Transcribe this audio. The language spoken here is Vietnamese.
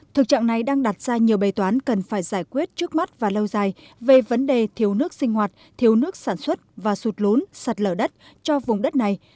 thực trạng này đang đặt ra nhiều bề toán cần phải giải quyết trước mắt và lâu dài về vấn đề thiếu nước sinh hoạt thiếu nước sản xuất và sụt lún sạt lở đất cho vùng đất này